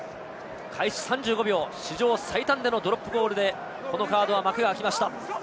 開始３５秒、史上最短でのドロップゴールでこのカードは幕が開きました。